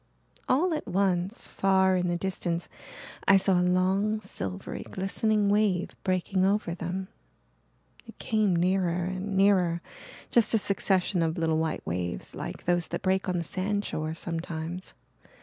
All at once, far in the distance, I saw a long, silvery, glistening wave breaking over them. It came nearer and nearer just a succession of little white waves like those that break on the sandshore sometimes.